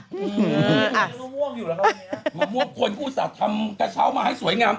มะม่วงอยู่แล้วครับวันนี้มะม่วงควรกู้สัตว์ทำกระเช้ามาให้สวยงาม